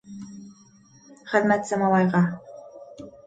Хеҙмәтсе малайға: